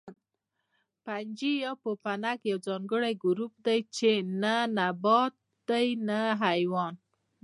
فنجي یا پوپنک یو ځانګړی ګروپ دی چې نه نبات دی نه حیوان